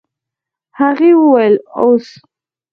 هغې وويل اوس.